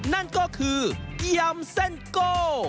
นั่นก็คือยำเส้นโก้